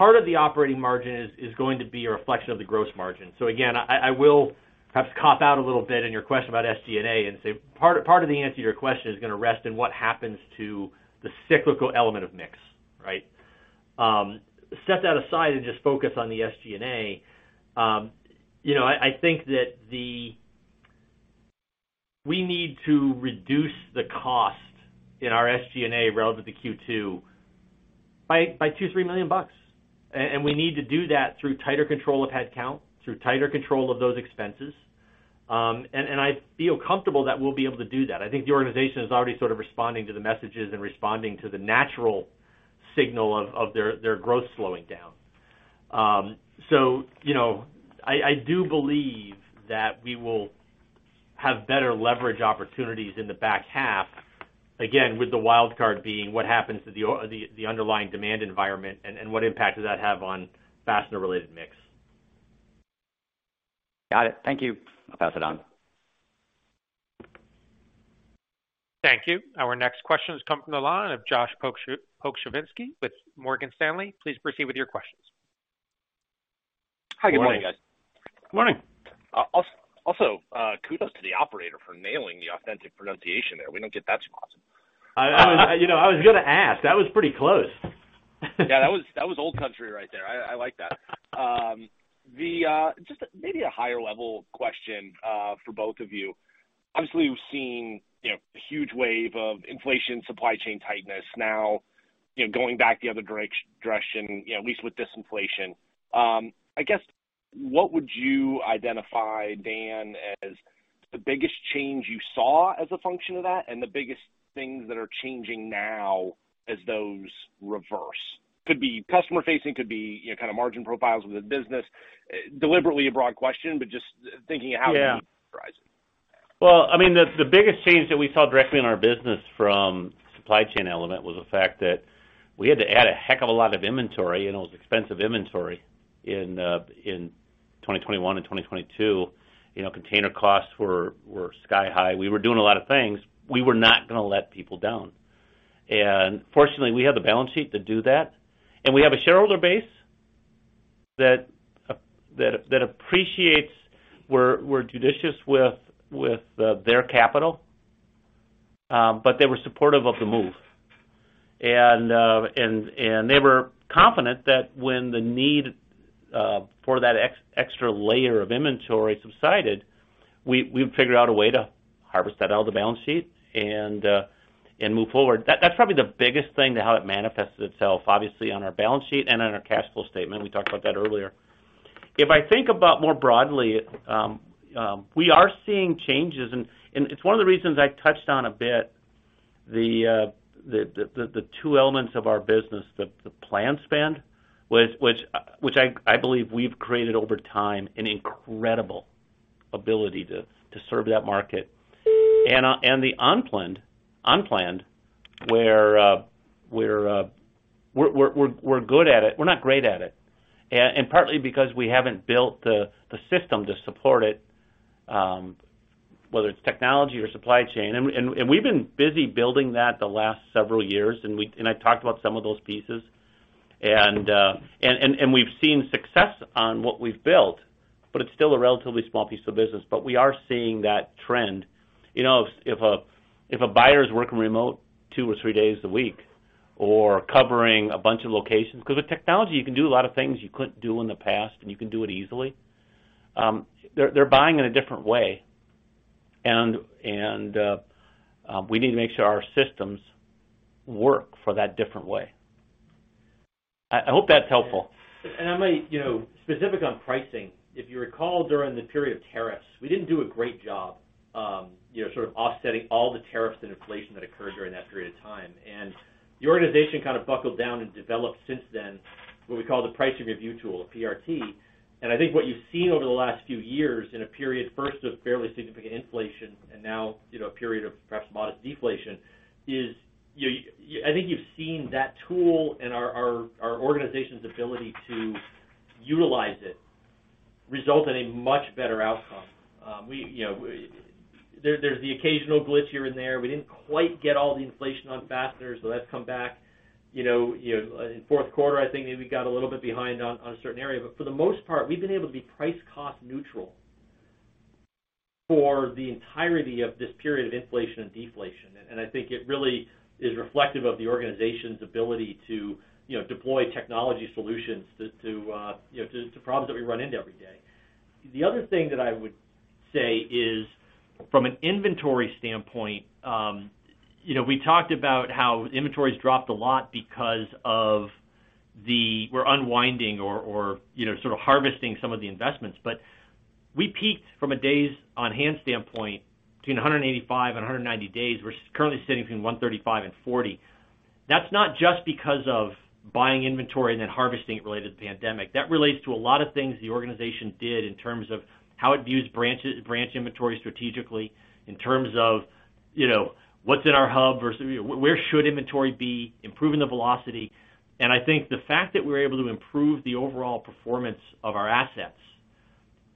of the operating margin is going to be a reflection of the gross margin. Again, I will perhaps cop out a little bit in your question about SG&A and say, part of the answer to your question is gonna rest in what happens to the cyclical element of mix, right? Set that aside and just focus on the SG&A. You know, I think that We need to reduce the cost in our SG&A relative to Q2 by $2 million-$3 million, and we need to do that through tighter control of headcount, through tighter control of those expenses. I feel comfortable that we'll be able to do that. I think the organization is already sort of responding to the messages and responding to the natural signal of their growth slowing down. you know, I do believe that we will have better leverage opportunities in the back half, again, with the wild card being what happens to the underlying demand environment, and what impact does that have on fastener-related mix. Got it. Thank you. I'll pass it on. Thank you. Our next question has come from the line of Josh Pokrzywinski with Morgan Stanley. Please proceed with your questions. Hi, good morning, guys. Good morning. Kudos to the operator for nailing the authentic pronunciation there. We don't get that so often. I, you know, I was gonna ask. That was pretty close. Yeah, that was old country right there. I like that. The just maybe a higher-level question for both of you. Obviously, we've seen, you know, a huge wave of inflation, supply chain tightness. Now, you know, going back the other direction, you know, at least with disinflation. I guess, what would you identify, Dan, as the biggest change you saw as a function of that, and the biggest things that are changing now as those reverse? Could be customer-facing, could be, you know, kind of margin profiles with the business. Deliberately a broad question, but just thinking of how-. Yeah you rise. Well, I mean, the biggest change that we saw directly in our business from supply chain element was the fact that we had to add a heck of a lot of inventory, and it was expensive inventory in 2021 and 2022. You know, container costs were sky high. We were doing a lot of things. We were not gonna let people down. Fortunately, we have the balance sheet to do that, and we have a shareholder base that appreciates we're judicious with their capital, but they were supportive of the move. They were confident that when the need for that extra layer of inventory subsided, we'd figure out a way to harvest that out of the balance sheet and move forward. That's probably the biggest thing to how it manifested itself, obviously, on our balance sheet and on our cash flow statement. We talked about that earlier. If I think about more broadly, we are seeing changes, and it's one of the reasons I touched on a bit the two elements of our business, the planned spend, which I believe we've created over time an incredible ability to serve that market. And the unplanned, where we're good at it. We're not great at it. Partly because we haven't built the system to support it, whether it's technology or supply chain. We've been busy building that the last several years, and I talked about some of those pieces. We've seen success on what we've built, but it's still a relatively small piece of business, but we are seeing that trend. You know, if a, if a buyer is working remote two or three days a week or covering a bunch of locations, because with technology, you can do a lot of things you couldn't do in the past, and you can do it easily. They're buying in a different way. We need to make sure our systems work for that different way. I hope that's helpful. I might, you know, specific on pricing, if you recall, during the period of tariffs, we didn't do a great job, you know, sort of offsetting all the tariffs and inflation that occurred during that period of time. The organization kind of buckled down and developed since then, what we call the pricing review tool, a PRT. I think what you've seen over the last few years in a period, first, of fairly significant inflation, and now, you know, a period of perhaps modest deflation, is I think you've seen that tool and our organization's ability to utilize it result in a much better outcome. We, you know, there's the occasional glitch here and there. We didn't quite get all the inflation on fasteners, so that's come back. You know, in Q4, I think maybe we got a little bit behind on a certain area. For the most part, we've been able to be price cost neutral for the entirety of this period of inflation and deflation. I think it really is reflective of the organization's ability to, you know, to problems that we run into every day. The other thing that I would say is, from an inventory standpoint, you know, we talked about how inventories dropped a lot because of the unwinding or, you know, sort of harvesting some of the investments. We peaked from a days on hand standpoint between 185 and 190 days. We're currently sitting between 135 and 40. That's not just because of buying inventory and then harvesting it related to the pandemic. That relates to a lot of things the organization did in terms of how it views branch inventory strategically, in terms of, you know, what's in our hub versus, you know, where should inventory be, improving the velocity. I think the fact that we're able to improve the overall performance of our assets,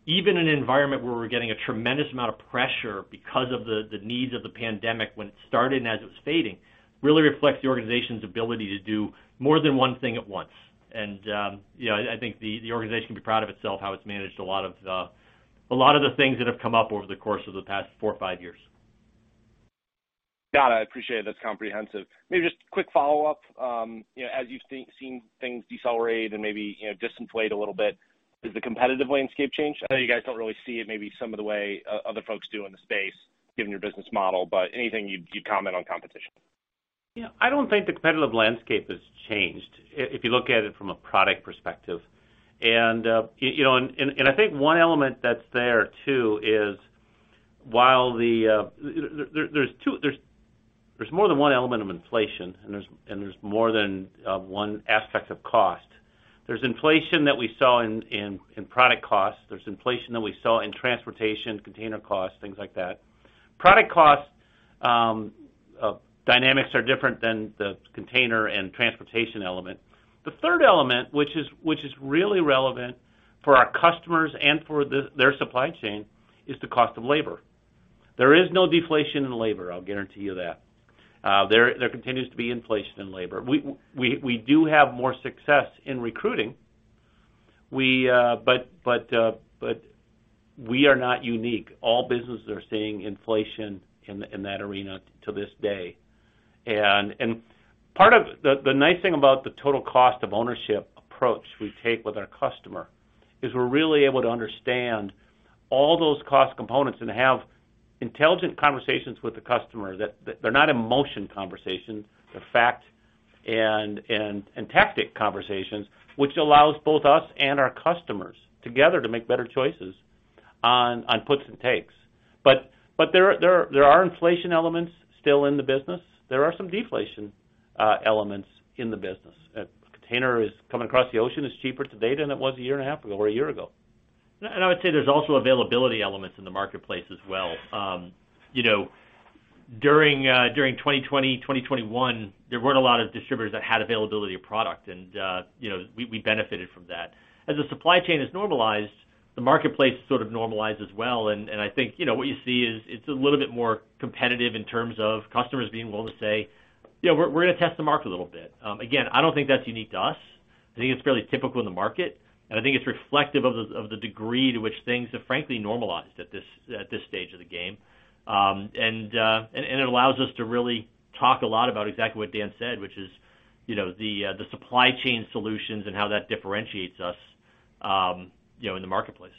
even in an environment where we're getting a tremendous amount of pressure because of the needs of the pandemic when it started and as it was fading, really reflects the organization's ability to do more than one thing at once. you know, I think the organization can be proud of itself, how it's managed a lot of, a lot of the things that have come up over the course of the past four or five years. Got it. I appreciate it. That's comprehensive. Maybe just a quick follow-up. You know, as you've seen things decelerate and maybe, you know, disinflate a little bit, does the competitive landscape change? I know you guys don't really see it, maybe some of the way other folks do in the space, given your business model, anything you'd comment on competition? Yeah, I don't think the competitive landscape has changed if you look at it from a product perspective. you know, and I think one element that's there, too, is while the... There's more than one element of inflation, and there's more than one aspect of cost. There's inflation that we saw in product costs. There's inflation that we saw in transportation, container costs, things like that. Product costs dynamics are different than the container and transportation element. The third element, which is really relevant for our customers and for their supply chain, is the cost of labor. There is no deflation in labor, I'll guarantee you that. There continues to be inflation in labor. We do have more success in recruiting. We, but we are not unique. All businesses are seeing inflation in that arena to this day. Part of the nice thing about the total cost of ownership approach we take with our customer is we're really able to understand all those cost components and have intelligent conversations with the customer that they're not emotion conversations, they're fact and tactic conversations, which allows both us and our customers together to make better choices on puts and takes. There are inflation elements still in the business. There are some deflation elements in the business. A container is coming across the ocean is cheaper today than it was a year and a half ago or a year ago. I would say there's also availability elements in the marketplace as well. During 2020, 2021, there weren't a lot of distributors that had availability of product, and we benefited from that. As the supply chain is normalized, the marketplace sort of normalizes well, I think what you see is it's a little bit more competitive in terms of customers being willing to say, "Yeah, we're gonna test the market a little bit." Again, I don't think that's unique to us. I think it's fairly typical in the market, and I think it's reflective of the degree to which things have frankly normalized at this stage of the game. It allows us to really talk a lot about exactly what Dan said, which is, you know, the supply chain solutions and how that differentiates us, you know, in the marketplace.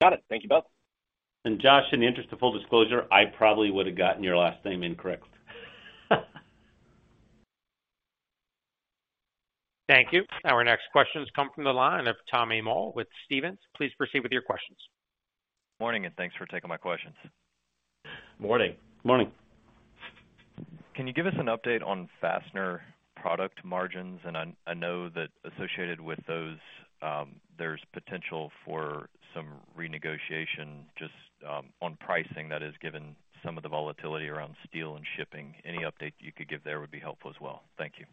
Got it. Thank you both. Josh, in the interest of full disclosure, I probably would have gotten your last name incorrect. Thank you. Our next question has come from the line of Tommy Moll with Stephens. Please proceed with your questions. Morning, thanks for taking my questions. Morning. Morning. Can you give us an update on fastener product margins? I know that associated with those, there's potential for some renegotiation just on pricing, that is, given some of the volatility around steel and shipping. Any update you could give there would be helpful as well. Thank you.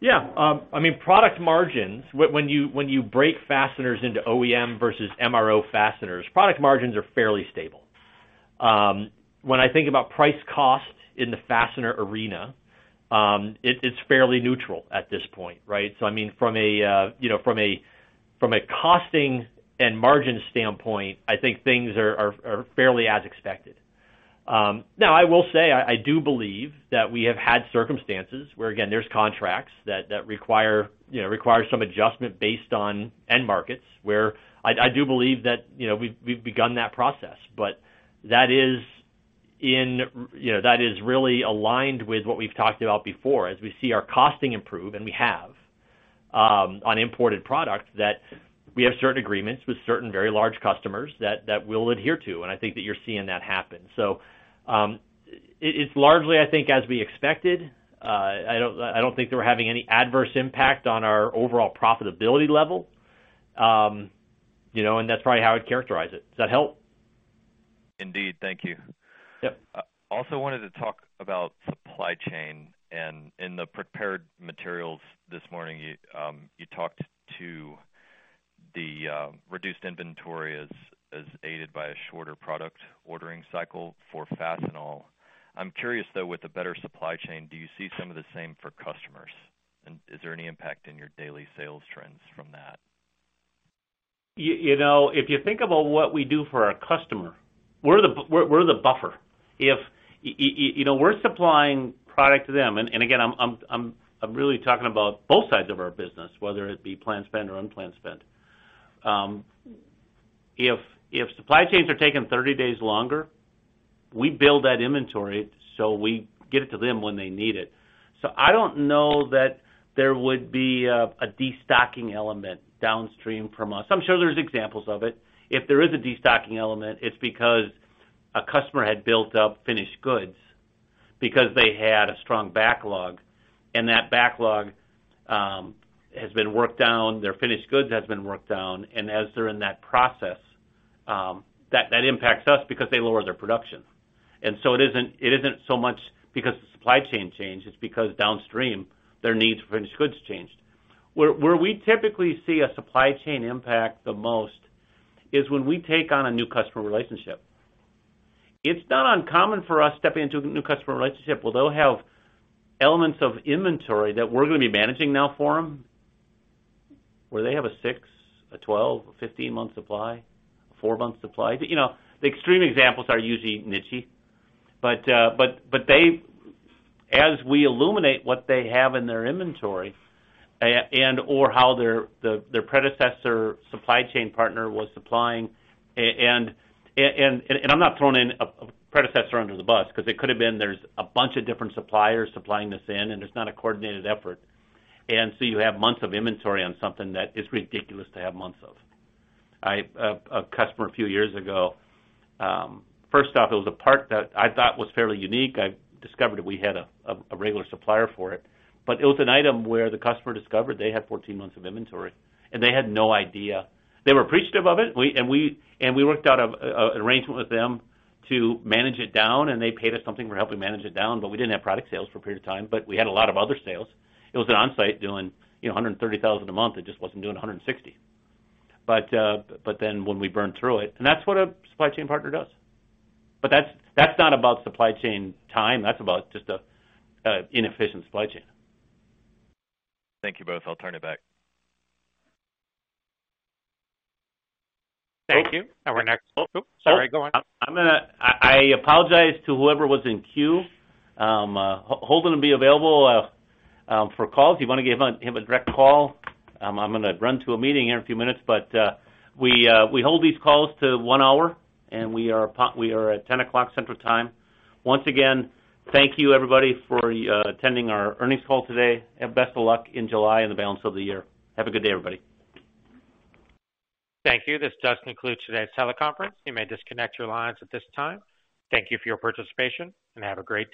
Yeah. I mean, product margins, when you break fasteners into OEM versus MRO fasteners, product margins are fairly stable. When I think about price costs in the fastener arena, it's fairly neutral at this point, right? I mean, from a, you know, from a, from a costing and margin standpoint, I think things are fairly as expected. Now, I will say, I do believe that we have had circumstances where, again, there's contracts that require, you know, require some adjustment based on end markets, where I do believe that, you know, we've begun that process. That is in, you know, that is really aligned with what we've talked about before. As we see our costing improve, and we have, on imported products, that we have certain agreements with certain very large customers that we'll adhere to. I think that you're seeing that happen. It's largely, I think, as we expected. I don't think they were having any adverse impact on our overall profitability level. you know, and that's probably how I'd characterize it. Does that help? Indeed. Thank you. Yep. I also wanted to talk about supply chain, and in the prepared materials this morning, you talked to the reduced inventory as aided by a shorter product ordering cycle for Fastenal. I'm curious, though, with the better supply chain, do you see some of the same for customers? Is there any impact in your daily sales trends from that? You know, if you think about what we do for our customer, we're the buffer. If you know, we're supplying product to them, and again, I'm really talking about both sides of our business, whether it be planned spend or unplanned spend. If supply chains are taking 30 days longer, we build that inventory, so we get it to them when they need it. I don't know that there would be a destocking element downstream from us. I'm sure there's examples of it. If there is a destocking element, it's because a customer had built up finished goods because they had a strong backlog, and that backlog has been worked down, their finished goods has been worked down, and as they're in that process, that impacts us because they lower their production. It isn't so much because the supply chain changed, it's because downstream, their needs for finished goods changed. Where we typically see a supply chain impact the most is when we take on a new customer relationship. It's not uncommon for us stepping into a new customer relationship, where they'll have elements of inventory that we're gonna be managing now for them, where they have a 6, a 12, a 15-month supply, a 4-month supply. You know, the extreme examples are usually nichey, but they. As we illuminate what they have in their inventory, and/or how their predecessor supply chain partner was supplying, and I'm not throwing any predecessor under the bus, 'cause it could have been there's a bunch of different suppliers supplying this in, and there's not a coordinated effort. You have months of inventory on something that is ridiculous to have months of. A customer a few years ago, first off, it was a part that I thought was fairly unique. I discovered we had a regular supplier for it, but it was an item where the customer discovered they had 14 months of inventory, and they had no idea. They were appreciative of it. We worked out an arrangement with them to manage it down, and they paid us something for helping manage it down, but we didn't have product sales for a period of time, but we had a lot of other sales. It was an onsite doing, you know, $130,000 a month. It just wasn't doing $160,000. Then when we burned through it. That's what a supply chain partner does. That's, that's not about supply chain time, that's about just an inefficient supply chain. Thank you both. I'll turn it back. Thank you. Oops, sorry, go on. I'm gonna I apologize to whoever was in queue. Holden will be available for calls. If you wanna give on, him a direct call, I'm gonna run to a meeting here in a few minutes, but we hold these calls to one hour, and we are at 10:00 A.M. Central Time. Once again, thank you everybody for attending our earnings call today, and best of luck in July and the balance of the year. Have a good day, everybody. Thank you. This does conclude today's teleconference. You may disconnect your lines at this time. Thank you for your participation, and have a great day.